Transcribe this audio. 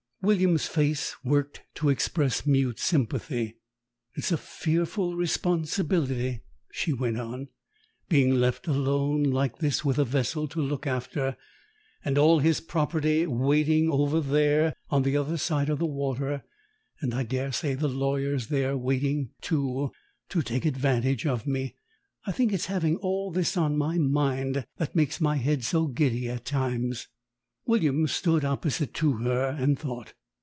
William's face worked to express mute sympathy. "It's a fearful responsibility," she went on, "being left alone like this with a vessel to look after, and all his property waiting over there, on the other side of the water; and I daresay the lawyers, there, waiting, too, to take advantage of me. I think it's having all this on my mind that makes my head so giddy at times. .." William stood opposite to her, and thought.